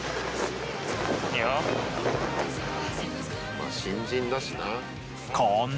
まあ新人だしな。